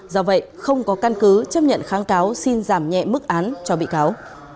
do vậy không có căn cứ chấp nhận kháng cáo xin giảm nhẹ mức án cho bị cáo